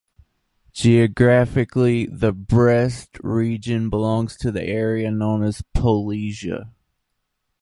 Geographically, the Brest Region belongs to the area known as Polesia.